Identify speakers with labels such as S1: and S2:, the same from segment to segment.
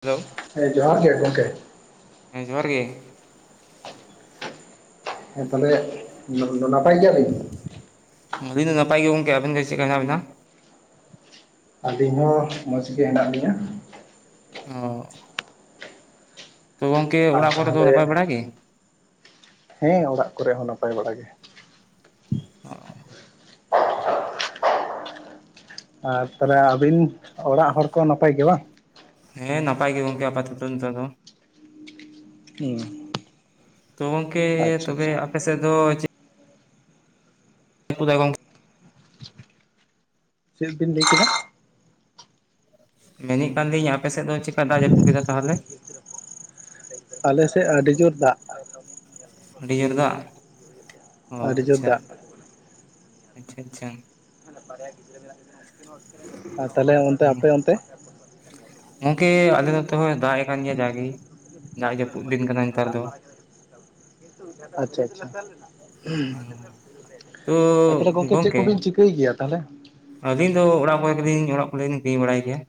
S1: Hello
S2: ᱦᱮᱸ ᱡᱚᱦᱟᱨ ᱜᱮ ᱜᱚᱢᱠᱮ!
S1: ᱦᱮᱸ ᱡᱚᱦᱟᱨ ᱜᱮ! !
S2: ᱦᱮᱸ ᱛᱟᱦᱚᱞᱮ ᱱᱟᱯᱟᱭ ᱜᱮᱭᱟᱞᱤᱧ [unintelligible]
S1: ᱦᱩ ᱟᱞᱤᱧ ᱫᱚ ᱱᱟᱯᱟᱭ ᱜᱮ ᱠᱚᱝᱠᱮ ᱟᱵᱮᱱ ᱜᱮ ᱪᱮᱫ ᱠᱟ ᱢᱮᱱᱟᱜ ᱵᱤᱱᱟ?
S2: ᱟᱹᱞᱤᱧ ᱦᱚᱸ ᱢᱚᱸᱡᱽ ᱜᱮ ᱦᱮᱱᱟᱜ ᱞᱤᱧᱟᱹ᱾
S1: ᱦᱚᱸᱻ ᱛᱚ ᱜᱚᱝᱠᱮ
S2: ᱟᱨ
S1: ᱚᱲᱟᱜ ᱠᱚᱨᱮ ᱫᱚ
S2: ᱛᱟᱦᱚᱞᱮ
S1: ᱱᱟᱯᱟᱭ ᱵᱟᱲᱟᱭ ᱜᱮ?
S2: ᱦᱮᱸ ᱚᱲᱟᱜ ᱠᱚᱨᱮ ᱦᱚᱸ ᱱᱟᱯᱟᱭ ᱵᱟᱲᱟ ᱜᱮ᱾
S1: ᱚᱻ
S2: ᱟᱨ ᱛᱟᱦᱚᱞᱮ ᱟᱹᱵᱤᱱ ᱚᱲᱟᱜ ᱦᱚᱲ ᱠᱚ ᱱᱟᱯᱟᱭ ᱜᱮ ᱵᱟᱝ?
S1: ᱦᱮ ᱱᱟᱯᱟᱭ ᱜᱮ ᱜᱚᱝᱠᱮ ᱜᱮᱯ [unintelligible]
S2: ᱦᱮᱸ
S1: ᱛᱚ ᱜᱚᱝᱠᱮ ᱛᱚᱵᱮ ᱟᱯᱮᱮᱥᱮᱫ ᱫᱚ [unintelligible]
S2: ᱪᱮᱫ [unintelligible] ᱠᱮᱫᱮᱫ
S1: ᱢᱮᱱᱮᱫ ᱠᱟᱱ ᱞᱤᱧ ᱟᱯᱮᱮᱥᱮᱫ ᱫᱚ ᱪᱮᱠᱟ ᱫᱟᱜ ᱡᱟᱹᱯᱩ ᱠᱮᱫᱟ ᱛᱟᱦᱚᱞᱮ?
S2: [unintelligible] ᱟᱞᱮ ᱥᱮᱛ ᱪᱫ ᱟᱹᱰᱤ ᱡᱳᱨ ᱫᱟᱜ
S1: ᱟᱹᱰᱤ ᱡᱳᱨ ᱫᱟᱜ ᱚ
S2: ᱟᱹᱰᱤ ᱡᱳᱨ
S1: ᱟᱪᱪᱷᱟ
S2: ᱫᱟᱜ
S1: ᱟᱪᱪᱷᱟ ᱟᱪᱪᱷᱟ
S2: ᱛ ᱚᱱᱛᱮ ᱟᱯᱮ ᱛᱮ
S1: ᱜᱚᱢᱠᱮ ᱟᱞᱮ ᱫᱚ ᱚᱛᱚ [unintelligible] ᱫᱟᱜ ᱮ ᱠᱟᱱ ᱜᱮ ᱡᱟᱜᱮ ᱫᱟᱜ ᱡᱟᱹᱯᱩᱫ ᱫᱤᱱ ᱠᱟᱱᱟ ᱱᱮᱛᱟᱨ ᱫᱚ ᱾
S2: ᱠᱤᱱᱛᱩ ᱟᱪᱪᱷᱟ ᱟᱪᱪᱷᱟ
S1: ᱛᱚ
S2: ᱟᱨ ᱛᱟᱦᱚᱞᱮ ᱜᱚᱝᱠᱮ ᱪᱮᱫ ᱠᱚᱵᱤᱱ ᱪ ᱴᱷᱤᱠ ᱜᱮᱭᱟ ᱛᱟᱦᱚᱞᱮ
S1: ᱟᱹᱞᱤᱧ ᱫᱚ ᱚᱲᱟᱜ ᱠᱚᱨᱮ ᱜᱮᱞᱤᱧ ᱚᱲᱟᱜ ᱠᱚᱞᱤᱧ ᱠᱤᱫᱤᱧ ᱵᱟᱲᱟᱭ ᱜᱮᱭᱟ ᱾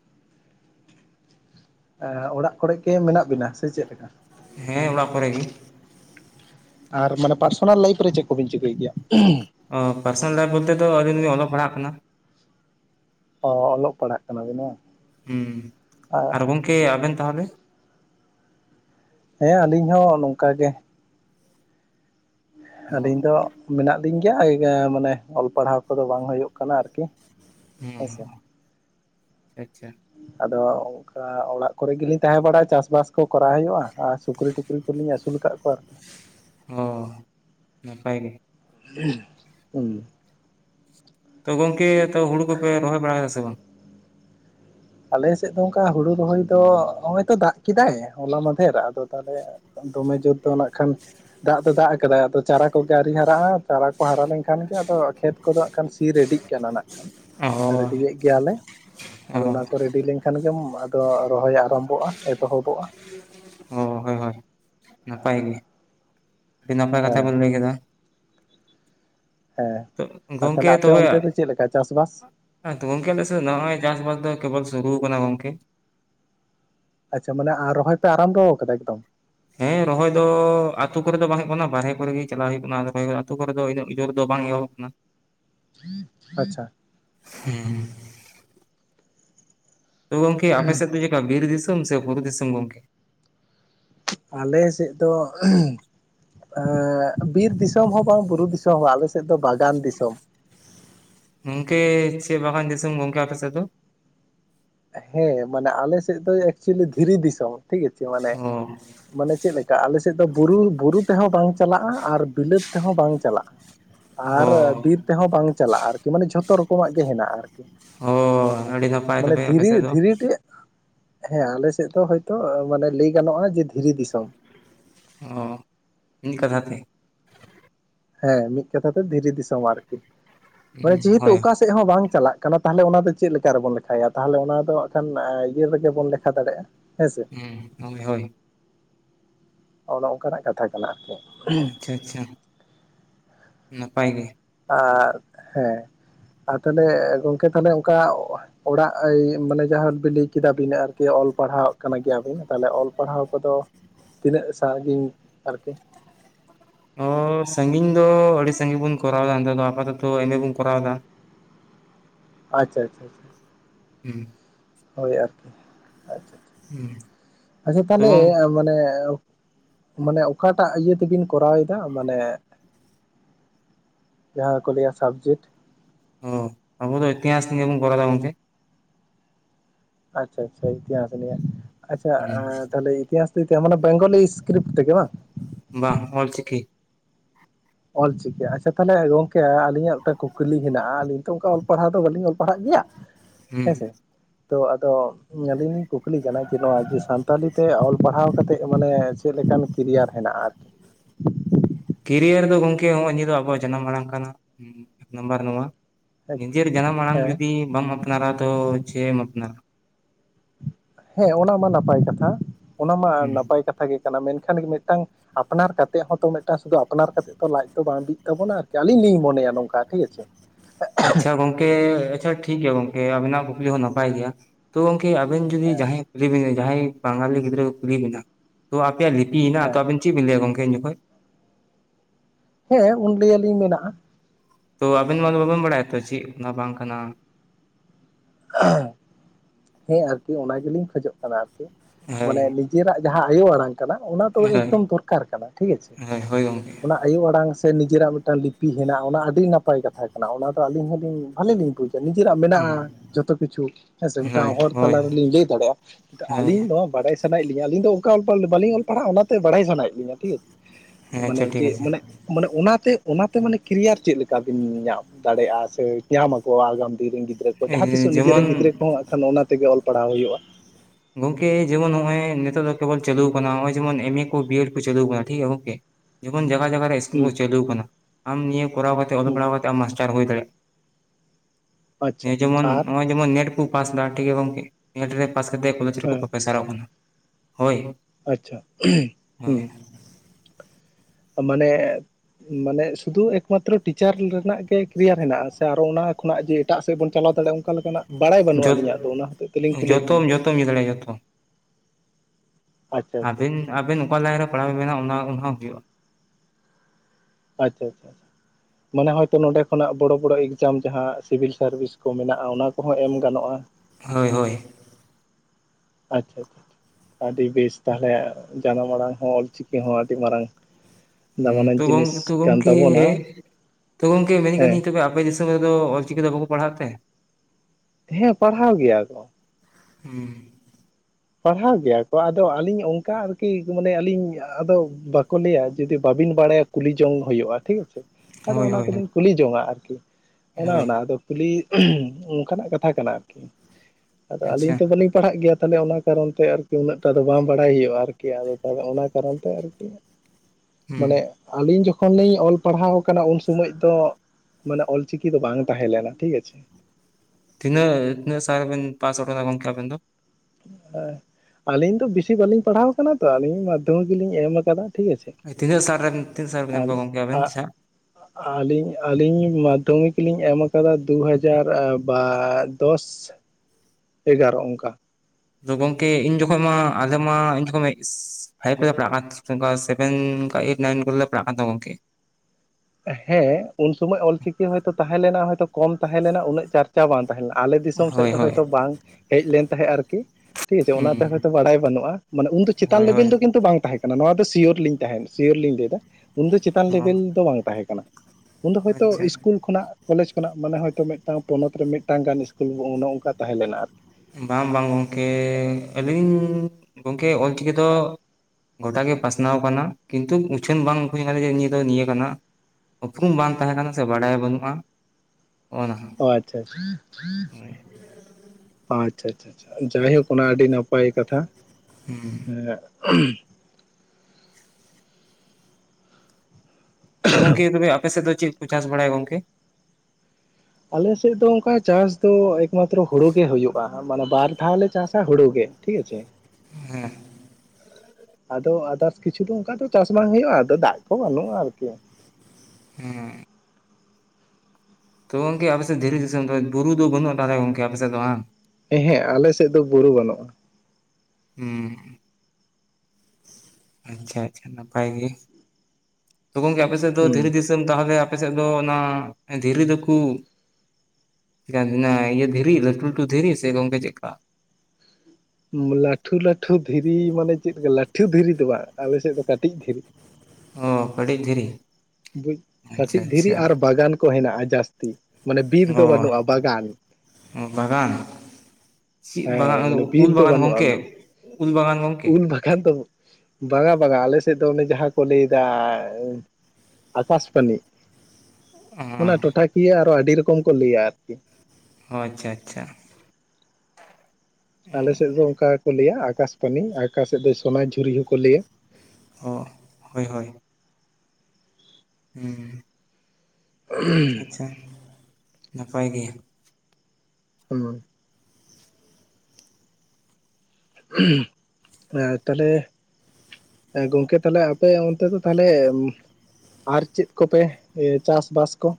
S2: ᱚᱲᱟᱜ ᱠᱚᱨᱮ ᱜᱮ ᱢᱮᱱᱟᱜ ᱵᱤᱱᱟ ᱥᱮ ᱪᱮᱫᱞ ᱞᱮᱠᱟ?
S1: ᱦᱮᱸ ᱚᱲᱟᱜ ᱠᱚᱨᱮ ᱜᱮ
S2: ᱟᱨ ᱢᱟᱱᱮ ᱯᱟᱨᱥᱳᱱᱟᱞ ᱞᱟᱭᱤᱯᱷ ᱨᱮ ᱪᱮᱫ ᱠᱚᱵᱤᱱ ᱪᱤᱠᱟᱹᱭ ᱜᱮᱭᱟ?
S1: ᱚ ᱯᱟᱨᱥᱚᱱᱟᱞ ᱞᱟᱭᱤᱯ ᱵᱚᱞᱛᱮ ᱫᱚ ᱟᱹᱞᱤᱧ ᱫᱚ ᱞᱧ ᱚᱞᱚᱜ ᱯᱟᱲᱦᱟᱜ ᱠᱟᱱᱟ ᱾
S2: ᱚ ᱚᱞᱚᱜ ᱯᱟᱲᱦᱟᱜ ᱠᱟᱱᱟᱵᱱᱟ
S1: ᱦᱩᱸ ᱟᱨ ᱜᱚᱝᱠᱮ ᱟᱵᱮᱱ ᱛᱟᱦᱚᱞᱮ?
S2: ᱦᱮᱸ ᱟᱹᱞᱤᱧ ᱦᱚᱸ ᱱᱚᱝᱠᱟ ᱜᱮ ᱟᱹᱞᱤᱧ ᱫᱚ ᱢᱮᱱᱟᱜ ᱞᱤᱧ ᱜᱮᱭᱟ ᱢᱟᱱᱮ ᱚᱞ ᱯᱟᱲᱦᱟᱣ ᱠᱚᱫᱚ ᱵᱟᱝ ᱦᱩᱭᱩᱜ ᱠᱟᱱᱟ ᱟᱨᱠᱤ ᱾
S1: ᱦᱮᱸ ᱟᱪᱪᱷᱟ
S2: ᱟᱫᱚ ᱚᱱᱠᱟ ᱚᱲᱟᱜ ᱠᱚᱨᱮ ᱜᱮᱞᱤᱧ ᱛᱟᱦᱮᱸ ᱵᱟᱲᱟᱜᱼᱟ ᱪᱟᱥ-ᱵᱟᱥ ᱠᱚ ᱠᱚᱨᱟᱣ ᱦᱩᱭᱩᱜᱼᱟ ᱟᱨ ᱥᱩᱠᱨᱤᱼᱴᱩᱠᱨᱤ ᱠᱚᱞᱤᱧ ᱟᱹᱥᱩᱞ ᱠᱫ ᱠᱚᱣᱟ ᱟᱨᱠᱤ ᱾
S1: ᱚ ᱱᱟᱯᱟᱭ ᱜᱮ
S2: ᱦᱩᱸ
S1: ᱛᱚ ᱜᱚᱝᱠᱮ ᱛᱚ ᱦᱩᱲᱩ ᱠᱚᱯᱮ ᱨᱚᱦᱚᱭ ᱵᱟᱲᱟᱭᱟ ᱥᱮ ᱵᱟᱝ?
S2: ᱟᱞᱮᱥᱮᱫ ᱫᱚ ᱚᱱᱠᱟ ᱦᱩᱲᱩ ᱨᱚᱦᱚᱭ ᱫᱚ ᱱᱚᱜᱚᱭ ᱛᱚ ᱫᱟᱜ ᱠᱮᱫᱟᱭ ᱦᱚᱞᱟ ᱢᱟᱫᱷᱮᱨ ᱟᱫᱚ ᱛᱟᱦᱚᱞᱮ ᱫᱚᱢᱮ ᱡᱳᱨ ᱫᱚ ᱱᱟᱜ ᱠᱷᱟᱱ ᱫᱟᱜ ᱫᱚᱭ ᱫᱟᱜ ᱟᱠᱟᱫᱟᱭ ᱟᱫᱚ ᱪᱟᱨᱟ ᱠᱚᱜᱮ ᱟᱨᱣᱨᱤ ᱦᱟᱨᱟᱜᱼᱟ ᱪᱟᱨᱟ ᱠᱚ ᱦᱟᱨᱟ ᱞᱮᱱᱠᱷᱟᱱ ᱜᱮ ᱟᱫᱚ ᱠᱷᱮᱛ ᱠᱚᱫᱚ ᱦᱜ ᱥᱤ ᱨᱮᱰᱤᱜ [unintelligible]
S1: ᱚᱦᱚ
S2: ᱨᱮᱰᱤᱠᱮᱜ ᱜᱮᱭᱟᱞᱮ ᱟᱫᱚ ᱠᱚ ᱨᱮᱰᱤ ᱞᱮᱝᱠᱷᱟᱱ ᱜᱮᱢ ᱟᱫᱚ ᱨᱚᱦᱚᱭ ᱟᱨᱟᱢᱵᱚᱜᱼᱟ ᱮᱛᱚᱦᱚᱵᱚ-ᱟ ᱾
S1: ᱚ ᱦᱳᱭ ᱦᱳᱭ ᱱᱟᱯᱟᱭ ᱜᱮ ᱟᱹᱰᱤ ᱱᱟᱯᱟᱭ ᱠᱟᱛᱷᱟ
S2: ᱦᱮᱸ
S1: ᱵᱮᱱ ᱞᱟᱹᱭ ᱠᱮᱫᱟ ᱾
S2: ᱦᱮᱸ
S1: ᱛᱚ
S2: ᱟᱨ
S1: ᱜᱚᱢᱠᱮ
S2: ᱛᱷᱟᱞᱮ ᱟᱯᱮ ᱚᱱᱛᱮ ᱫᱚ ᱪᱮᱫ ᱞᱮᱠᱟ ᱪᱟᱥ-ᱵᱟᱥ
S1: ᱛᱚ ᱜᱚᱝᱠᱮ ᱟᱞᱮ ᱥᱮ ᱱᱚᱜ-ᱚᱭ ᱪᱟᱥ-ᱵᱟᱥ ᱫᱚ ᱠᱮᱵᱚᱞ ᱥᱩᱨᱩ ᱠᱟᱱᱟ ᱜᱚᱝᱠᱮ᱾
S2: ᱟᱪᱪᱷᱟ ᱢᱟᱱᱮ ᱟᱨ ᱨᱚᱦᱚᱭ ᱯᱮ ᱟᱨᱟᱢᱵᱚ ᱟᱠᱟᱫᱟ ᱮᱠᱫᱚᱢ
S1: ᱦᱮᱸ ᱨᱚᱦᱚᱭ ᱫᱚ ᱟᱛᱳ ᱠᱚᱨᱮ ᱫᱚ ᱵᱟᱝ ᱦᱩᱭᱩᱜ ᱠᱟᱱᱟ ᱵᱟᱦᱨᱮ ᱠᱚᱨᱮᱜ ᱜᱤ ᱪᱟᱞᱟ ᱦᱩᱭᱩᱜ ᱠᱟᱱᱟ ᱟᱨ ᱚᱠᱚᱭᱛᱳ ᱟᱛᱳ ᱠᱚᱨᱮ ᱫᱚ ᱤᱱᱟᱹᱜ ᱡᱳᱨ ᱫᱚ ᱵᱟᱝ ᱮᱦᱚᱵᱚᱜ ᱠᱟᱱᱟ
S2: ᱟᱪᱪᱷᱟ
S1: ᱦᱩᱸ ᱛᱚ ᱜᱚᱝᱠᱮ ᱟᱯᱮ ᱥᱮᱫ ᱫᱚ ᱪᱮᱠᱟ ᱵᱤᱨ ᱫᱤᱥᱚᱢ ᱥᱮ ᱵᱩᱨᱩ ᱫᱤᱥᱚᱢ ᱜᱚᱝᱠᱮ ᱾
S2: ᱟᱞᱮ ᱥᱮᱫ ᱫᱚ ᱵᱤᱨ ᱫᱤᱥᱚᱢ ᱦᱚᱸ ᱵᱟᱝ ᱵᱩᱨᱩ ᱫᱤᱥᱚᱢ ᱦᱚᱸ ᱵᱟ ᱟᱞᱮᱥᱮᱫ ᱫᱚ ᱵᱟᱜᱟᱱ ᱫᱤᱥᱚᱢ ᱾
S1: ᱜᱚᱝᱠᱮ ᱪᱮ ᱵᱟᱜᱟᱱ ᱫᱤᱥᱚᱢ ᱜᱚᱝᱠᱮ ᱟᱯᱮ ᱥᱮ ᱫᱚ?
S2: ᱦᱮᱸ ᱢᱟᱱᱮ ᱟᱞᱮ ᱥᱮᱫ ᱫᱚ ᱮᱠᱪᱩᱭᱞᱤ ᱫᱷᱤᱨᱤ ᱫᱤᱥᱚᱢ, ᱴᱷᱤᱠ ᱟᱪᱪᱷᱮ ᱢᱟᱱᱮ
S1: ᱚ
S2: ᱢᱟᱱᱮ ᱪᱮᱫ ᱞᱮ ᱠᱟ ᱟᱞᱮᱥᱮᱫ ᱫᱚ ᱵᱩᱨᱩ-ᱵᱩᱨᱩ ᱛᱮᱦᱚᱸ ᱵᱟᱝ ᱪᱟᱞᱟᱜ-ᱟ ᱟᱨ ᱵᱤᱞᱟᱹᱛ ᱛᱮᱦᱚᱸ ᱵᱟᱝ ᱪᱟᱞᱟᱜ-ᱟ᱾
S1: ᱚ
S2: ᱟᱨ ᱵᱤᱨ ᱛᱮᱦᱚᱸ ᱵᱟᱝ ᱪᱟᱞᱟᱜ ᱟᱨᱠᱤ, ᱢᱟᱱᱮ ᱡᱷᱚᱛᱚ ᱨᱚᱠᱚᱢᱟᱜ ᱜᱮ ᱦᱮᱱᱟᱼᱟ᱾ ᱟᱨ
S1: ᱚᱻ ᱟᱹᱰᱤ ᱱᱟᱯᱟᱭ ᱛᱵᱮ ᱟᱯᱮᱥᱮᱱ ᱾
S2: ᱫᱷᱤᱨᱤ ᱫᱷᱤᱨᱤ ᱴᱤᱜ ᱦᱮᱸ ᱟᱞᱮᱥᱮᱫ ᱫᱚ ᱦᱚᱭᱛᱚ ᱢᱟᱱᱮ ᱞᱟᱹᱭ ᱜᱟᱱᱚᱟ ᱡᱮ, ᱫᱷᱤᱨᱤ ᱫᱤᱥᱚᱢ᱾
S1: ᱚ ᱢᱤᱫ ᱠᱟᱛᱷᱟ ᱛᱮ
S2: ᱦᱮᱸ ᱢᱤᱫ ᱠᱟᱛᱷᱟ ᱛᱮ ᱫᱷᱤᱨᱤ ᱫᱤᱥᱚᱢ ᱟᱨᱠᱤ ᱢᱟᱱᱮ
S1: ᱦᱩᱸ
S2: ᱡᱮᱦᱮᱛᱩ
S1: ᱦᱳᱭ
S2: ᱚᱠᱟ ᱥᱮᱡ ᱦᱚᱸ ᱵᱟᱝ ᱪᱟᱞᱟᱜ ᱠᱟᱱᱟ, ᱛᱟᱦᱚᱞᱮ ᱚᱱᱟ ᱫᱚ ᱪᱮᱫ ᱞᱮᱠᱟ ᱨᱮᱵᱚᱱ ᱞᱮᱠᱷᱟᱭᱟ, ᱛᱟᱦᱚᱞᱮ ᱚᱱᱟ ᱫᱚ ᱦᱟᱜ ᱠᱷᱟᱱ ᱤᱭᱟᱹ ᱨᱮᱜᱮ ᱵᱚᱱ ᱞᱮᱠᱷᱟ ᱫᱟᱲᱮᱜᱼᱟ᱾ ᱦᱮᱸ ᱥᱮ᱾
S1: ᱦᱩᱸ ᱜᱚᱝᱠᱮ ᱦᱳᱭ᱾
S2: ᱚᱱ ᱚᱝᱠᱟᱱᱟᱜ ᱠᱟᱛᱷᱟ ᱠᱟᱱᱟ ᱟᱨᱠᱤ
S1: ᱟᱪᱪᱷᱟ-ᱟᱪᱪᱷᱟ ᱱᱟᱯᱟᱭ ᱜᱮ᱾
S2: ᱟᱨ ᱦᱮᱸ ᱟᱨ ᱛᱟᱦᱚᱞᱮ ᱜᱚᱝᱠᱮ ᱛᱟᱞᱦᱮ ᱚᱝᱠᱟ ᱚᱲᱟᱜ ᱢᱟᱱᱮ ᱡᱟᱸᱦᱟ ᱵᱤᱱ ᱞᱟᱹᱭ ᱠᱮᱫᱟ ᱵᱤᱱ ᱟᱨᱠᱤ, ᱚᱞ ᱯᱟᱲᱦᱟᱜ ᱠᱟᱱᱟ ᱜᱮᱭᱟᱵᱤᱱ ᱛᱟᱦᱞᱮ ᱚᱞ ᱯᱟᱲᱦᱟᱣ ᱠᱚᱫᱚ ᱛᱤᱱᱟᱹᱜ ᱥᱟᱜᱤᱧ ᱟᱨᱠᱤ?
S1: ᱚ ᱥᱟᱜᱤᱧ ᱫᱚ ᱟᱹᱰᱤ ᱥᱟᱺᱜᱤᱧ ᱵᱚᱱ ᱠᱚᱨᱟᱣᱫᱟ ᱮᱱᱛᱮ ᱫᱚ ᱟᱯᱟᱛᱚᱛᱚ ᱮᱢᱮ ᱵᱚᱱ ᱠᱚᱨᱟᱣ ᱫᱟ᱾
S2: ᱟᱪᱪᱷᱟ-ᱟᱪᱪᱷᱟ᱾
S1: ᱦᱩᱸ [unintelligible]
S2: ᱦᱳᱭ ᱟᱨᱠᱤ
S1: ᱦᱩᱸ
S2: ᱟᱪᱪᱷᱟ
S1: ᱛᱚ
S2: ᱛᱟᱞᱦᱮ
S1: ᱜᱚᱝ
S2: ᱢᱟᱱᱮ ᱢᱟᱱᱮ ᱚᱠᱟᱴᱟᱜ ᱤᱭᱟᱹ ᱛᱮᱵᱤᱱ ᱠᱚᱨᱟᱣ ᱮᱫᱟ ᱢᱟᱱᱮ ᱡᱟᱦᱟᱸ ᱠᱚ ᱞᱟᱹᱭᱟ ᱥᱟᱵᱽᱡᱮᱠᱴ?
S1: ᱦᱚ ᱟᱵ ᱫᱚ ᱤᱛᱤᱦᱟᱸᱥ ᱱᱤᱭᱮ ᱵᱚᱱ ᱠᱚᱨᱟ ᱫᱟ ᱜᱚᱝᱠᱮ᱾
S2: ᱟᱪᱪᱷᱟ ᱟᱪᱪᱷᱟ ᱤᱛᱤᱦᱟᱸᱥ ᱱᱤᱭᱮ ᱟᱪᱪᱷᱟ
S1: ᱦᱩᱸ
S2: ᱛᱟᱦᱚᱞᱮ ᱤᱛᱤᱦᱟᱥ ᱛᱮ ᱢᱟᱱᱮ ᱵᱮᱝᱜᱚᱞᱤ ᱥᱠᱨᱤᱯᱴ ᱛᱮᱜᱮ ᱵᱟᱝ?
S1: ᱵᱟᱝ ᱚᱞ ᱪᱤᱠᱤ᱾
S2: ᱚᱞ ᱪᱤᱠᱤ ᱟᱪᱪᱷᱟ ᱛᱟᱦᱚᱞᱮ ᱜᱚᱝᱠᱮ ᱟᱹᱞᱤᱧᱟᱜ ᱢᱤᱫᱴᱟᱝ ᱠᱩᱠᱞᱤ ᱦᱮᱱᱟᱜ-ᱟ, ᱟᱹᱞᱤᱧ ᱛᱚ ᱚᱝᱠᱟ ᱚᱞ ᱯᱟᱲᱦᱟᱣ ᱫᱚ ᱵᱟᱹᱞᱤᱧ ᱚᱞ ᱯᱟᱲᱦᱟᱜ ᱜᱮᱭᱟ?
S1: ᱦᱩᱸ
S2: ᱦᱮᱸᱥᱮ ᱛᱚ ᱟᱫᱚ ᱟᱞᱤᱧ ᱞᱤᱧ ᱠᱩᱠᱞᱤ ᱠᱟᱱᱟ ᱡᱮ ᱱᱚᱣᱟ ᱡᱮ ᱥᱟᱱᱛᱟᱞᱤ ᱛᱮ ᱚᱞ ᱯᱟᱲᱦᱟᱣ ᱠᱟᱛᱮᱜ ᱢᱟᱱᱮ ᱪᱮᱫ ᱞᱮᱠᱟᱱ ᱠᱮᱤᱨᱤᱭᱟᱨ ᱦᱮᱱᱟᱼᱟ ᱟᱨ ᱠᱤ
S1: ᱠᱮᱨᱤᱭᱟᱨ ᱫᱚ ᱜᱚᱝᱠᱮ ᱦᱚᱜᱚᱭ ᱱᱤᱭᱟᱹ ᱫᱚ ᱟᱵᱚᱣᱟᱜ ᱡᱟᱱᱟᱢ ᱟᱲᱟᱝ ᱠᱟᱱᱟ ᱱᱟᱢᱵᱟᱨ ᱱᱚᱣᱟ
S2: ᱦᱮᱸ
S1: ᱱᱤᱡᱮᱨ ᱡᱟᱱᱟᱢ ᱟᱲᱟᱝ ᱡᱩᱫᱤ ᱵᱟᱢ ᱟᱯᱱᱟᱨᱟ ᱛᱚ ᱪᱮ ᱮᱢ ᱟᱯᱱᱟᱨᱟ᱾
S2: ᱦᱮᱸ ᱚᱱᱟ ᱢᱟ ᱱᱟᱯᱟᱭ ᱠᱟᱛᱷᱟ ᱚᱱᱟ ᱢᱟ
S1: ᱦᱩᱸ
S2: ᱱᱟᱯᱟᱭ ᱠᱟᱛᱷᱟ ᱜᱮ ᱠᱟᱱᱟ ᱢᱮᱱᱠᱷᱟᱱ ᱢᱤᱫᱴᱟᱝ ᱟᱯᱱᱟᱨ ᱠᱟᱛᱮᱜ ᱦᱚᱸᱛᱚ ᱢᱮᱴᱟᱝ ᱥᱩᱫᱩ ᱟᱯᱱᱟᱨ ᱠᱟᱛᱮᱜ ᱦᱚᱸᱛᱚ ᱢᱮᱜᱴᱟᱝ ᱞᱟᱡ ᱛᱚ ᱵᱟᱝ ᱵᱤᱜ ᱛᱟᱵᱚᱱᱟ ᱟᱨᱠᱤ ᱟᱞᱤᱧ ᱞᱤᱧ ᱢᱚᱱᱮᱭᱟ ᱱᱚᱝᱠᱟ ᱴᱷᱤᱠ ᱟᱪᱪᱷᱮ
S1: ᱟᱪᱪᱷᱟ ᱜᱚᱝᱠᱮ ᱟᱪᱪᱷᱟ ᱴᱷᱤᱠ ᱜᱮᱭᱟ ᱜᱚᱝᱠᱮ ᱟᱵᱤᱱᱟᱜ ᱠᱩᱠᱞᱤ ᱦᱚᱸ ᱱᱟᱯᱟᱭ ᱜᱮᱭᱟ᱾ ᱛᱚ ᱜᱚᱝᱠᱮ ᱟᱵᱮᱱ ᱡᱩᱫᱤ ᱡᱟᱦᱟᱸᱭᱮ ᱠᱩᱞᱤ ᱵᱤᱱᱟ ᱡᱟᱦᱟᱸᱭᱮ ᱵᱟᱝᱟᱞᱤ ᱜᱤᱫᱽᱨᱟᱹ ᱠᱩᱞᱤ ᱵᱤᱱᱟ ᱛᱚ ᱟᱯᱮᱭᱟᱜ ᱞᱤᱯᱤ ᱦᱮᱱᱟᱜᱼᱟ ᱛᱚ
S2: ᱦᱮᱸ
S1: ᱟᱵᱤᱱ ᱪᱮᱜ ᱵᱤᱱ ᱞᱟᱹᱭᱟ ᱜᱚᱢᱠᱮ ᱩᱱ ᱡᱚᱠᱷᱚᱡ᱾
S2: ᱦᱮᱸ ᱩᱱ ᱞᱟᱹᱭ ᱟᱞᱤᱧ ᱢᱮᱱᱟᱜᱼᱟ᱾
S1: ᱛᱚ ᱟᱵᱮᱱ ᱢᱟ ᱫᱚ ᱵᱟᱵᱮᱱ ᱵᱟᱲᱟᱭᱟ ᱛᱚ ᱪᱮᱫ ᱠᱟᱱᱟ ᱵᱟᱝ ᱠᱟᱱᱟ?
S2: ᱦᱮᱸ ᱟᱨᱠᱤ ᱚᱱᱟ ᱜᱮᱞᱤᱧ ᱠᱷᱚᱡᱚᱜ ᱠᱟᱱᱟ ᱟᱨᱠᱤ
S1: ᱦᱳᱭ
S2: ᱢᱟᱱᱮ ᱱᱤᱡᱮᱨᱟᱜ ᱡᱟᱦᱟᱸ ᱟᱭᱳ ᱟᱲᱟᱝ ᱠᱟᱱᱟ ᱚᱱᱟ ᱫᱚ
S1: ᱦᱳᱭ
S2: ᱮᱠᱫᱚᱢ ᱫᱚᱨᱠᱟᱨ ᱠᱟᱱᱟ ᱴᱷᱤᱠ ᱟᱪᱪᱷᱮ
S1: ᱦᱳᱭ ᱦᱳᱭ ᱜᱚᱝᱠᱮ
S2: ᱚᱱᱟ ᱟᱭᱳ ᱟᱲᱟᱝ ᱥᱮ ᱱᱤᱡᱮᱨᱟᱜ ᱢᱤᱫᱴᱟᱝ ᱞᱤᱯᱤ ᱦᱮᱱᱟᱜ ᱚᱱᱟ, ᱟᱹᱰᱤ ᱱᱟᱯᱟᱭ ᱠᱟᱛᱷᱟ ᱠᱟᱱᱟ ᱚᱱᱟᱫᱚ ᱟᱹᱞᱤᱧ ᱦᱚᱸᱞᱤᱧ ᱵᱷᱟᱞᱤ ᱞᱤᱧ ᱵᱩᱡᱟ᱾ ᱱᱤᱡᱮᱨᱟᱜ
S1: ᱦᱩᱸ
S2: ᱢᱮᱱᱟᱜᱼᱟ᱾ ᱡᱚᱛᱚ ᱠᱤᱪᱷᱩ ᱦᱮᱸᱥᱮ ᱢᱤᱫᱴᱟᱝ
S1: ᱦᱳᱭ
S2: ᱦᱚᱲ
S1: ᱦᱳᱭ
S2: ᱛᱟᱞᱟ ᱨᱮᱞᱤᱧ ᱞᱟᱹᱭ ᱫᱟᱲᱮᱜᱼᱟ
S1: ᱦᱳᱭ
S2: ᱟᱹᱞᱤᱧ ᱱᱚᱣᱟ ᱵᱟᱲᱟᱭ ᱥᱟᱱᱟᱭᱮᱫ ᱞᱤᱧᱟᱹ ᱟᱹᱞᱤᱧ ᱫᱚ ᱚᱝᱠᱟ ᱚᱞ ᱵᱟᱞᱤᱧ ᱚᱞ ᱯᱟᱲᱦᱟᱜᱟ ᱚᱱᱟ ᱛᱮ ᱵᱟᱲᱟᱭ ᱥᱟᱱᱟᱭᱮᱫ ᱞᱤᱧᱟᱹ ᱴᱷᱤᱠ
S1: ᱦᱮᱸ
S2: ᱟᱪᱪᱷᱮ ᱢᱟᱱᱮ
S1: ᱟᱪᱪᱷᱟ ᱴᱷᱤᱠ
S2: ᱪᱮᱜ
S1: ᱟᱪᱷᱮ
S2: ᱢᱟᱱᱮ ᱢᱟᱱᱮ ᱚᱱᱟᱛᱮ ᱚᱱᱟᱛᱮ ᱢᱟᱱᱮ ᱠᱮᱨᱤᱭᱟᱨ ᱪᱮᱫ ᱞᱮᱠᱟ ᱵᱤᱱ ᱧᱟᱢ ᱫᱟᱲᱮᱭᱟᱜᱼᱟ ᱥᱮ ᱧᱟᱢ ᱟᱠᱚᱣᱟ ᱟᱜᱟᱢ ᱫᱤᱱ ᱨᱮᱱ ᱜᱤᱫᱽᱨᱟᱹ ᱡᱟᱦᱟᱸ ᱛᱤᱥᱚᱜ
S1: ᱡᱮᱢᱚᱱ
S2: ᱱᱤᱡᱮᱨᱮᱱ ᱜᱤᱫᱽᱨᱟᱹ ᱠᱚᱦᱚ ᱦᱟᱸᱜ ᱠᱷᱟᱱ ᱚᱱᱟ ᱛᱮᱜᱮ ᱚᱞ ᱯᱟᱲᱦᱟᱣ ᱦᱳᱭᱳᱜᱼᱟ᱾
S1: ᱜᱚᱢᱠᱮ ᱡᱮᱢᱚᱱ ᱱᱚᱜ-ᱚᱭ ᱱᱤᱛᱚᱜ ᱫᱚ ᱠᱮᱵᱚᱞ ᱪᱟᱹᱞᱩ ᱠᱟᱱᱟ, ᱦᱚᱜ-ᱚᱭ ᱡᱮᱢᱚᱱ ᱮᱢ ᱮ ᱠᱚ ᱵᱤᱭᱮᱰ ᱠᱚ ᱪᱟᱹᱞᱩ ᱠᱟᱱᱟ ᱴᱷᱤᱠ ᱜᱮᱭᱟ ᱜᱝᱢᱠᱮ᱾ ᱡᱚᱠᱷᱚᱱ ᱡᱟᱜᱟ ᱡᱟᱜᱟ ᱨᱮ
S2: ᱦᱩᱸ
S1: [unintelligible] ᱪᱟᱞᱩ ᱠᱟᱱᱟ ᱟᱢ ᱱᱤᱭᱟᱹ ᱠᱚᱨᱟᱣ ᱠᱟᱛᱮ ᱚᱞᱚᱜ
S2: ᱦᱩᱸ
S1: ᱯᱟᱲᱦᱟᱣ ᱠᱟᱛᱮ ᱟᱢ ᱢᱟᱥᱴᱟᱨ ᱦᱩᱭ ᱫᱟᱲᱮᱜ
S2: ᱟᱪᱪᱷᱟ
S1: ᱮᱸ ᱡᱮᱢᱚᱱ
S2: ᱟᱨ
S1: ᱱᱚᱜᱼᱚᱭ ᱡᱮᱢᱚᱱ ᱱᱮᱴ ᱠᱚ ᱯᱟᱥ ᱫᱟ ᱴᱷᱤᱠ ᱜᱮ ᱜᱚᱢᱠᱮ ᱱᱮᱴ ᱨᱮ ᱯᱟᱥ ᱠᱚᱞᱮᱡᱽ ᱨᱮᱠᱚ
S2: ᱦᱮᱸ
S1: ᱯᱨᱚᱯᱷᱮᱥᱟᱨᱚᱜ ᱠᱟᱱᱟ ᱦᱳᱭ
S2: ᱟᱪᱪᱷᱟ
S1: ᱦᱳᱭ
S2: ᱦᱩᱸ ᱢᱟᱱᱮ ᱢᱟᱱᱮ ᱥᱩᱫᱩ ᱮᱠᱢᱟᱛᱨᱚ ᱴᱤᱪᱟᱨ ᱨᱮᱱᱟᱜ ᱜᱮ ᱠᱮᱨᱤᱭᱟᱨ ᱦᱮᱱᱟᱜᱼᱟ ᱥᱮ ᱟᱨᱚ ᱚᱱᱟ ᱠᱷᱚᱱᱟᱜ ᱡᱮ ᱮᱴᱟᱜ ᱥᱮᱫ ᱵᱚᱱ ᱪᱟᱞᱟᱣ ᱫᱟᱲᱮᱜᱼᱟ ᱚᱱᱠᱟ ᱞᱮᱠᱟᱱᱟᱜ ᱵᱟᱲᱟᱭ ᱵᱟᱹᱱᱩᱜᱼᱟ
S1: ᱡᱚᱛ
S2: ᱟᱹᱞᱤᱧᱟᱜ ᱫᱚ ᱚᱱᱟ ᱦᱚᱛᱮᱡ ᱛᱮᱵᱤᱱ ᱠᱩᱞᱤᱭᱮᱜ ᱵᱤᱱᱟ
S1: [unintelligible]
S2: ᱟᱪᱪᱷᱟ ᱟᱪᱪᱷᱟ
S1: ᱟᱵᱤᱱ
S2: ᱟᱪᱪᱷᱟ
S1: ᱟᱵᱮᱱ ᱚᱠᱟ ᱞᱟᱭᱤᱱ ᱨᱮ ᱯᱟᱲᱦᱟᱣ ᱵᱮᱱ ᱢᱮᱱᱟ ᱚᱱᱟ ᱚᱱᱟ ᱦᱚᱸ ᱦᱳᱭᱳᱜᱼᱟ
S2: ᱟᱪᱪᱷᱟ ᱪᱷᱟ ᱢᱟᱱᱮ ᱦᱚᱭᱛᱚ ᱱᱚᱰᱮ ᱠᱷᱚᱱᱟᱜ ᱵᱚᱲᱚ ᱵᱚᱲᱚ ᱮᱠᱡᱟᱢ ᱡᱟᱦᱟᱸ ᱥᱤᱵᱤᱞ ᱥᱟᱨᱵᱤᱥ ᱠᱚ ᱢᱮᱱᱟᱜᱼᱟ ᱚᱱᱟ ᱠᱚᱦᱚᱸ ᱮᱢ ᱜᱟᱱᱚᱜᱼᱟ
S1: ᱦᱳᱭ ᱦᱳᱭ
S2: ᱟᱪᱪᱷᱟ ᱪᱷᱟ ᱟᱹᱰᱤ ᱵᱮᱥ ᱛᱟᱦᱞᱮ ᱡᱟᱱᱟᱢ ᱟᱲᱟᱝ ᱦᱚᱸ ᱚᱞ ᱪᱤᱠᱤ ᱦᱚᱸ ᱟᱹᱰᱤ ᱢᱟᱨᱟᱝ
S1: ᱦᱩᱸ
S2: ᱫᱟᱢᱟᱱᱟᱱ
S1: ᱛᱩ ᱜᱚᱝ
S2: ᱡᱤᱱᱤᱥ
S1: ᱛᱩ
S2: ᱠᱟᱱ
S1: ᱜᱚᱝᱠᱮ
S2: ᱛᱟᱵᱚᱱᱟ
S1: ᱛᱩ ᱜᱚᱝᱠᱮ ᱢᱮᱱ
S2: ᱦᱮᱸ
S1: [unintelligible] [inaudible] ᱚᱞ ᱪᱤᱠᱤ ᱫᱚ ᱵᱟᱠᱚ ᱯᱟᱲᱦᱟᱣᱮᱫ ᱛᱮ
S2: ᱦᱮᱸ ᱯᱟᱲᱦᱟᱣ ᱜᱮᱭᱟ ᱠᱚ
S1: ᱦᱩᱸ
S2: ᱯᱟᱲᱦᱟᱣ ᱜᱮᱭᱟ ᱠᱚ ᱟᱫᱚ ᱟᱹᱞᱤᱧ ᱚᱱᱠᱟ ᱟᱨᱠᱤ ᱢᱟᱱᱮ ᱟᱹᱞᱤᱧ ᱟᱫᱚ ᱵᱟᱠᱚ ᱞᱟᱹᱭᱟ ᱡᱩᱫᱤ ᱵᱟᱵᱤᱱ ᱵᱟᱲᱴᱰᱟᱭᱟ ᱠᱩᱞᱤ ᱡᱚᱝ ᱦᱩᱭᱩᱜᱼᱟ ᱴᱷᱤᱠ ᱟᱪᱷᱮ ᱟᱫᱚ
S1: ᱦᱳᱭ
S2: ᱚᱱᱟ
S1: ᱦᱳᱭ ᱦᱳᱭ
S2: ᱛᱮᱞᱤᱧ ᱠᱩᱞᱤ ᱡᱚᱝᱟ ᱟᱨᱠᱤ ᱚᱱᱟ
S1: ᱦᱳᱭ
S2: ᱚᱱᱟ ᱟᱫᱚ ᱠᱩᱞᱤ ᱚᱱᱠᱟᱱᱟᱜ ᱠᱟᱛᱷᱟ ᱠᱟᱱᱟ ᱟᱨᱠᱤ ᱟᱫᱚ ᱟᱹᱞᱤᱧ
S1: ᱟᱪᱪᱷᱟ
S2: ᱛᱚ ᱵᱟᱹᱞᱤᱧ ᱯᱟᱲᱦᱟᱜ ᱜᱮᱭᱟ ᱛᱟᱦᱞᱮ ᱚᱱᱟ ᱠᱟᱨᱚᱱ ᱛᱮ ᱟᱨᱠᱤ ᱩᱱᱟᱹᱜ ᱴᱟ ᱫᱚ ᱵᱟᱝ ᱵᱟᱲᱟᱭ ᱦᱩᱭᱩᱜᱼᱟ ᱟᱨᱠᱤ ᱟᱫᱚ ᱚᱱᱟ ᱠᱟᱨᱚᱱ ᱛᱮ ᱟᱨᱠᱤ
S1: ᱦᱩᱸ
S2: ᱢᱟᱱᱮ ᱟᱹᱞᱤᱧ ᱡᱚᱠᱷᱚᱱ ᱞᱤᱧ ᱚᱞ ᱯᱟᱲᱦᱟᱣ ᱠᱟᱱᱟ ᱩᱱ ᱥᱩᱢᱟᱹᱡ ᱫᱚ ᱢᱟᱱᱮ ᱚᱞᱪᱤᱠᱤ ᱫᱚ ᱵᱟᱝ ᱛᱟᱦᱮᱸ ᱞᱮᱱᱟ ᱴᱷᱤᱠ ᱟᱪᱷᱮ
S1: ᱛᱤᱱᱟᱹᱜ ᱛᱤᱱᱟᱹᱜ ᱥᱟᱞ ᱨᱮᱵᱤᱱ ᱯᱟᱥ ᱠᱟᱱᱟ ᱜᱚᱢᱠᱮ ᱟᱵᱤᱱ ᱫᱚ
S2: ᱦᱮ ᱟᱹᱞᱤᱧ ᱫᱚ ᱵᱤᱥᱤ ᱵᱟᱹᱞᱤᱧ ᱯᱟᱲᱦᱟᱣ ᱠᱟᱱᱟ ᱛᱚ ᱟᱹᱞᱤᱧ ᱢᱟᱫᱽᱫᱷᱚᱢᱤᱠ ᱞᱤᱧ ᱮᱢ ᱠᱟᱫᱟ
S1: ᱛᱤᱱᱟᱹᱜ ᱥᱟᱨ ᱛᱤᱱ ᱥᱟᱨ ᱨᱮᱵᱤᱱ ᱮᱢ ᱠᱟᱫᱟ ᱜᱚᱢᱠᱮ ᱟᱵᱤᱱ [unintelligible]
S2: [inaudible] ᱟᱹᱞᱤᱧ ᱟᱹᱞᱤᱧ ᱢᱟᱫᱽᱫᱷᱚᱢᱤᱠ ᱞᱤᱧ ᱮᱢ ᱠᱟᱫᱟ ᱫᱩ ᱦᱟᱡᱟᱨ ᱵᱟ ᱫᱚᱥ ᱮᱜᱟᱨᱚ ᱚᱝᱠᱟ
S1: ᱟᱫᱚ ᱜᱚᱢᱠᱮ ᱤᱧ ᱡᱚᱠᱷᱚᱡ ᱢᱟ ᱟᱞᱮ ᱢᱟ ᱤᱧ ᱡᱚᱠᱷᱚᱱ ᱯᱷᱟᱭᱤᱯ [unintelligible] ᱥᱮᱵᱷᱮᱱ ᱚᱱᱠᱟ ᱮᱭᱤᱴ ᱱᱟᱭᱤᱱ ᱠᱚᱨᱮ ᱞᱮ ᱯᱟᱲᱦᱟᱜ ᱠᱟᱱ ᱛᱟᱦᱮ ᱜᱚᱝᱠᱮ
S2: ᱦᱮᱸ ᱩᱱ ᱥᱩᱢᱟᱹᱡ ᱚᱞᱪᱤᱠᱤ ᱦᱚᱭᱛᱚ ᱛᱟᱦᱮᱸ ᱞᱮᱱᱟ ᱦᱚᱭᱛᱚ ᱠᱚᱢ ᱛᱟᱦᱮᱸ ᱞᱮᱱᱟ ᱩᱱᱟᱹᱜ ᱪᱟᱨ ᱪᱟ ᱵᱟᱝ ᱛᱟᱦᱮᱸ ᱞᱮᱱᱟ ᱟᱞᱮ ᱫᱤᱥᱚᱢ
S1: ᱦᱳᱭ
S2: ᱥᱮᱫ ᱫᱚ
S1: ᱦᱳᱭ
S2: ᱦᱚᱭᱛᱚ ᱵᱟᱝ ᱦᱮᱡ ᱞᱮᱱ ᱛᱟᱦᱮᱜ ᱟᱨᱠᱤ ᱴᱷᱤᱠ ᱟᱪᱷᱮ
S1: ᱦᱩᱸ
S2: ᱚᱱᱟᱛᱮ ᱦᱚᱭᱛᱳ ᱵᱟᱰᱟᱭ ᱵᱟᱹᱱᱩᱜᱼᱟ ᱢᱟᱱᱮ ᱩᱱᱫᱚ ᱪᱮᱛᱟᱱ
S1: ᱦᱳᱭ ᱦᱳᱭ
S2: ᱞᱮᱵᱮᱞ ᱫᱚ ᱠᱤᱱᱛᱩ ᱵᱟᱝ ᱛᱟᱦᱮᱸ ᱠᱟᱱᱟ ᱱᱚᱶᱟ ᱫᱚ ᱥᱤᱭᱳᱨ ᱞᱤᱧ ᱛᱟᱦᱮᱸᱱ ᱥᱤᱭᱳᱨ ᱞᱤᱧ ᱞᱟᱹᱭ ᱫᱟ ᱩᱱ ᱫᱚ ᱪᱮᱛᱟᱱ
S1: ᱚ
S2: ᱞᱮᱵᱮᱞ ᱫᱚ ᱵᱟᱝ ᱛᱟᱦᱮᱸ ᱠᱟᱱᱟ᱾ ᱩᱱᱫᱚ ᱦᱚᱭᱛᱚ
S1: ᱟᱪᱪᱷᱟ
S2: ᱤᱥᱠᱩᱞ ᱠᱷᱚᱱᱟᱜᱼ ᱠᱚᱞᱮᱪ ᱠᱷᱚᱱᱟᱜ ᱢᱟᱱᱮ ᱦᱚᱭᱛᱚ ᱢᱤᱫᱴᱟᱝ ᱯᱚᱱᱚᱛ ᱨᱮ ᱢᱤᱫᱴᱟᱝ ᱜᱟᱱ ᱤᱥᱠᱩᱞ ᱚᱱᱮ ᱚᱱᱠᱟ ᱛᱟᱦᱮᱸ ᱞᱮᱱᱟ ᱟᱨ᱾
S1: ᱵᱟᱝ ᱵᱟᱝ ᱜᱚᱝᱠᱮ ᱟᱹᱞᱤᱧ ᱜᱚᱝᱠᱮ ᱚᱞ ᱪᱤᱠᱤ ᱫᱚ ᱜᱚᱴᱟ ᱜᱮ ᱯᱟᱥᱱᱟᱣ ᱠᱟᱱᱟ ᱠᱤᱱᱛᱩ ᱩᱪᱷᱟᱹᱱ ᱵᱟᱝ ᱦᱩᱭ ᱠᱟᱱ ᱛᱮ ᱡᱮ ᱱᱤᱭᱟᱹ ᱫᱚ ᱱᱤᱭᱟᱹ ᱠᱟᱱᱟ᱾ ᱩᱯᱨᱩᱢ ᱵᱟᱝ ᱛᱟᱦᱮᱸ ᱠᱟᱱᱟ ᱥᱮ ᱵᱟᱰᱟᱭ ᱵᱟᱹᱱᱩᱜᱼᱟ ᱚᱜᱼᱚᱱᱟᱼᱼ
S2: ᱚ ᱟᱪᱪᱷᱟ ᱪᱷᱟ᱾ ᱟᱪᱪᱷᱟ ᱟᱪᱷᱟ ᱪᱷᱟ ᱡᱟᱭᱦᱳᱠ ᱚᱱᱟ ᱟᱹᱰᱤ ᱱᱟᱯᱟᱭ ᱠᱟᱛᱷᱟ᱾
S1: ᱦᱩᱸ᱾
S2: ᱦᱮᱸᱜᱼ᱾
S1: ᱛᱚ ᱜᱚᱝᱠᱮ ᱛᱚᱵᱮ ᱟᱯᱮ ᱥᱮᱜ ᱫᱚ ᱪᱮᱜ ᱠᱚ ᱪᱟᱥ ᱵᱟᱲᱟᱭᱟ ᱜᱚᱝᱠᱮ?
S2: ᱟᱞᱮ ᱥᱮᱜ ᱫᱚ ᱚᱱᱠᱟ ᱪᱟᱥ ᱫᱚ ᱮᱠ ᱢᱟᱛᱨᱚ ᱦᱩᱲᱩ ᱜᱮ ᱦᱩᱭᱩᱜᱼᱟ ᱢᱟᱱᱮ ᱵᱟᱨ ᱫᱷᱟᱣ ᱞᱮ ᱪᱟᱥᱟ ᱦᱩᱲᱩ ᱜᱮ᱾ ᱴᱷᱤᱠ ᱟᱪᱷᱮ᱾
S1: ᱦᱮᱸ᱾
S2: ᱟᱫᱚ ᱟᱫᱟᱨᱥ ᱠᱤᱪᱷᱩ ᱫᱚ ᱚᱱᱠᱟ ᱫᱚ ᱪᱟᱥ ᱵᱟᱝ ᱦᱩᱭᱩᱜ-ᱟ ᱟᱫᱚ ᱫᱟᱜ ᱠᱚ ᱵᱟᱱᱩᱜ-ᱟ ᱟᱨᱠᱤ᱾
S1: ᱦᱩᱸ᱾ ᱛᱚ ᱜᱚᱝᱠᱮ ᱟᱯᱮ ᱥᱮᱜ ᱫᱷᱤᱨᱤ ᱫᱤᱥᱟᱹᱢ ᱛᱚ ᱵᱩᱨᱩ ᱫᱚ ᱵᱟᱹᱱᱩᱜ-ᱟ ᱛᱟᱦᱞᱮ ᱜᱚᱝᱠᱮ ᱟᱯᱮ ᱥᱮᱜ ᱫᱚ ᱵᱟᱝ?
S2: ᱮ ᱦᱮᱸ ᱟᱞᱮ ᱥᱮᱜ ᱫᱚ ᱵᱩᱨᱩ ᱵᱟᱹᱱᱩᱜ-ᱟ᱾
S1: ᱦᱩᱸ᱾ ᱟᱪᱪᱷᱟ ᱟᱪᱷᱟ ᱱᱟᱯᱟᱭ ᱜᱮ ᱛᱚ ᱜᱚᱝᱠᱮ ᱟᱯᱮ ᱥᱮᱜ ᱫᱚ ᱫᱷᱤᱨᱤ
S2: ᱦᱩᱸ
S1: ᱫᱤᱥᱼᱼ ᱥᱚᱹᱢ ᱛᱟᱦᱚᱞᱮ ᱟᱯᱮ ᱥᱮᱜ ᱫᱚ ᱚᱱᱟ ᱫᱷᱤᱨᱤ ᱫᱚ ᱠᱩᱼᱼ ᱪᱤᱜ ᱠᱟᱱ ᱱᱟ ᱤᱭᱟᱹ ᱫᱷᱤᱨᱤ ᱞᱟᱹᱴᱩ ᱞᱟᱹᱴᱩ ᱫᱷᱤᱨᱤ ᱥᱮ ᱜᱚᱝᱠᱮ ᱪᱮᱜ ᱠᱟ?
S2: ᱢ ᱞᱟᱴᱷᱩ ᱞᱟᱹᱴᱷᱩ ᱫᱷᱤᱨᱤ ᱢᱟᱱᱮ ᱪᱮᱫᱽ ᱵᱮ ᱞᱟᱹᱴᱷᱩ ᱫᱷᱤᱨᱤ ᱫᱚ ᱵᱟ ᱟᱞᱮ ᱥᱮᱜ ᱫᱚ ᱠᱟᱴᱤᱡ ᱫᱷᱤᱨᱤ᱾
S1: ᱚᱸ ᱠᱟᱹᱴᱤᱡ‌ ᱫᱷᱤᱨᱤ᱾
S2: ᱵᱩᱪ
S1: ᱟᱪᱪᱷᱟ
S2: ᱠᱟᱴᱤᱡ ᱫᱷᱤᱨᱤ
S1: ᱟᱪᱪᱷᱟ
S2: ᱟᱨ ᱵᱟᱜᱟᱱ ᱠᱚ ᱦᱮᱱᱟᱜ-ᱟ ᱡᱟᱹᱥᱼᱼ ᱛᱤ ᱢᱟᱱᱮ ᱵᱤᱨ
S1: ᱚ
S2: ᱫᱚ ᱵᱟᱱᱩᱜ-ᱟ ᱵᱟᱜᱟᱱ᱾
S1: ᱵᱟᱜᱟᱱ ᱪᱮᱫ
S2: ᱦᱮᱸ
S1: ᱵᱟᱜᱟᱱ
S2: ᱢᱟᱱᱮ ᱵᱤᱨ
S1: ᱩᱞ
S2: ᱫᱚ
S1: ᱵᱟᱜᱟᱱ
S2: ᱵᱟᱱᱩᱜ-ᱟ
S1: ᱜᱚᱝᱠᱮ
S2: ᱚᱱᱟ
S1: ᱩᱞ ᱵᱟᱜᱟᱱ ᱜᱚᱝᱠᱮ
S2: ᱩᱞ ᱵᱷᱟᱼᱼ ᱠᱷᱟᱱ ᱫᱚ ᱵᱟᱝᱟ ᱵᱟᱝᱟ ᱟᱞᱮ ᱥᱮᱜ ᱫᱚ ᱚᱱᱮ ᱡᱟᱦᱟᱸ ᱠᱚ ᱞᱟᱹᱭ ᱫᱟ ᱼᱼ ᱟᱠᱟᱥᱼᱯᱟᱹᱱᱤ ᱚᱱᱟ ᱴᱚᱴᱷᱟ ᱠᱤᱭᱟᱹ ᱟᱨᱚ ᱟᱰᱤ ᱨᱚᱠᱚᱢ ᱠᱚ ᱞᱟᱹᱭᱟ ᱟᱨᱠᱤ᱾
S1: ᱦᱚᱸ ᱟᱪᱪᱷᱟ ᱟᱪᱷᱟ᱾
S2: ᱟᱞᱮ ᱥᱮᱜ ᱫᱚ ᱚᱱᱠᱟ ᱠᱚ ᱞᱟᱹᱭᱟ ᱟᱠᱟᱥᱯᱟᱹᱱᱤ ᱟᱠᱟ ᱥᱮᱜ ᱫᱚ ᱥᱚᱱᱟ ᱡᱷᱩᱨᱤ ᱦᱚᱸᱠᱩ ᱞᱟᱹᱭᱟ᱾
S1: ᱦᱚᱸ ᱦᱚᱭ ᱦᱚᱭ᱾ ᱦᱩᱸ᱾ ᱪᱷᱟ ᱟᱪᱷᱟ ᱱᱟᱯᱟᱭ ᱜᱮ᱾
S2: ᱦᱩᱸ᱾ ᱟᱨ ᱛᱟᱦᱚᱞᱮᱼᱼ ᱮ ᱜᱚᱝᱠᱮ ᱛᱟᱦᱚᱞᱮ ᱟᱯᱮ ᱚᱱᱛᱮ ᱫᱚ ᱛᱟᱦᱚᱞᱮᱢᱼᱼ ᱟᱨ ᱪᱮᱫ ᱠᱚᱯᱮ ᱮ ᱪᱟᱥ ᱵᱟᱥ ᱠᱚ?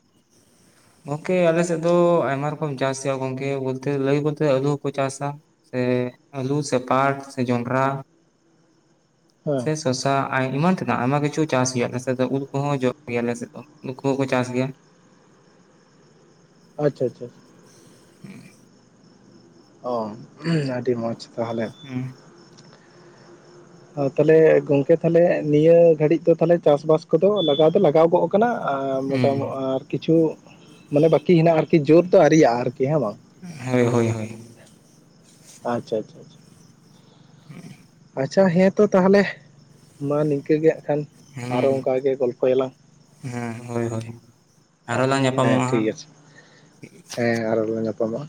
S1: ᱜᱚᱝᱠᱮ ᱟᱞᱮ ᱥᱮᱜ ᱫᱚ ᱟᱭᱢᱟ ᱨᱚᱠᱚᱢ ᱪᱟᱥ ᱜᱮᱭᱟ ᱜᱚᱝᱠᱮ ᱵᱚᱞᱛᱮ ᱞᱟᱹᱭ ᱵᱚᱞᱛᱮ ᱟᱹᱞᱩ ᱦᱚᱸᱠᱚ ᱪᱟᱥᱟ᱾ ᱥᱮ ᱟᱹᱞᱩ ᱥᱮ ᱯᱟᱴ ᱥᱮ ᱡᱚᱱᱰᱨᱟ᱾
S2: ᱦᱮᱸ
S1: ᱥᱮ ᱥᱚᱥᱟ ᱟᱭᱢᱟ ᱛᱮᱱᱟᱜ ᱟᱭᱢᱟ ᱠᱤᱪᱷᱩ ᱪᱟᱥ ᱜᱮᱭᱟ ᱟᱞᱮ ᱥᱮᱜ ᱫᱚ ᱩᱞ ᱠᱚᱦᱚᱸ ᱡᱚᱜ ᱜᱮᱭᱟ ᱟᱞᱮ ᱥᱮᱜ ᱫᱚ᱾ ᱱᱩᱠᱩ ᱦᱩᱸᱠᱩ ᱪᱟᱥ ᱜᱮᱭᱟ᱾
S2: ᱟᱪᱪᱷᱟ ᱟᱪᱷᱟ᱾ ᱚ ᱟᱰᱤ ᱢᱚᱸᱪ ᱛᱟᱦᱚᱞᱮ᱾
S1: ᱦᱩᱸ᱾
S2: ᱟᱨ ᱛᱟᱦᱚᱞᱮ ᱜᱚᱝᱠᱮ ᱛᱟᱦᱚᱞᱮ ᱱᱤᱭᱟᱹ ᱜᱷᱟᱹᱲᱤᱡ ᱫᱚ ᱛᱟᱦᱞᱮ ᱪᱟᱥᱼᱵᱟᱥ ᱠᱚᱫᱚ ᱞᱟᱜᱟᱣ ᱫᱚ ᱞᱟᱜᱟᱣ ᱜᱚᱜᱼᱼ ᱠᱟᱱᱟ ᱟᱨ ᱢᱚᱴᱟ‌
S1: ᱦᱩᱸ
S2: ᱢᱟ‌ ᱟᱨ ᱠᱤᱪᱷᱩ ᱢᱟᱱᱮ ᱵᱟᱹᱠᱤ ᱦᱮᱱᱟᱜ-ᱟ ᱟᱨᱠᱤ ᱡᱳᱨ ᱫᱚ ᱟᱨᱤᱭᱟᱜ-ᱟ ᱟᱨᱠᱤ ᱦᱮᱸ ᱵᱟᱝ᱾
S1: ᱦᱳᱭ ᱦᱳᱭ ᱦᱳᱭ᱾
S2: ᱟᱪᱪᱷᱟ ᱟᱪᱷᱟ ᱪᱷᱟ᱾
S1: ᱩᱸ᱾
S2: ᱟᱪᱪᱷᱟ ᱦᱮᱸ ᱛᱚ ᱛᱟᱦᱚᱞᱮ ᱢᱟ ᱱᱤᱧᱠᱟᱹ ᱜᱮ ᱮᱠᱷᱟᱱ ᱟᱨᱚ
S1: ᱦᱩᱸ
S2: ᱚᱱᱠᱟ ᱜᱮ ᱜᱚᱞᱯᱷᱚᱭᱟᱞᱟᱝ
S1: ᱦᱮᱸ ᱦᱳᱭ ᱦᱳᱭ ᱟᱨᱦᱚᱸ ᱞᱟᱝ
S2: ᱦᱮᱸ
S1: ᱧᱟᱯᱟᱢᱚᱜᱼᱟ ᱦᱟᱸᱜ
S2: ᱴᱷᱤᱠ ᱟᱪᱷᱮ ᱦᱮᱸ ᱟᱨᱦᱚ ᱞᱟᱝ ᱧᱟᱯᱟᱢᱚᱜᱼᱟ